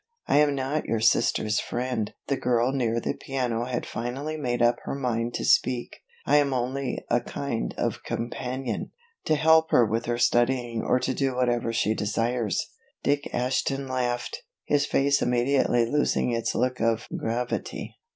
"I am not your sister's friend (the girl near the piano had finally made up her mind to speak), I am only a kind of companion, to help her with her studying or to do whatever she desires." Dick Ashton laughed, his face immediately losing its look of gravity.